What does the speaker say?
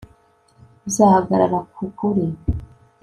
uzahagarara ku kuri